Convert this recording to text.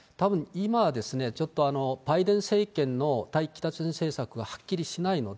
今、ちょっとバイデン政権の対北朝鮮政策がはっきりしないので、